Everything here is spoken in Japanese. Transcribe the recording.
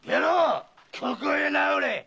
ここへ直れ！